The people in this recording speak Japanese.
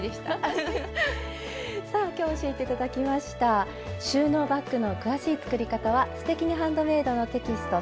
さあ今日教えて頂きました「収納バッグ」の詳しい作り方は「すてきにハンドメイド」のテキスト